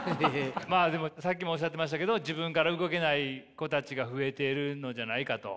まあでもさっきもおっしゃってましたけど自分から動けない子たちが増えているのじゃないかと。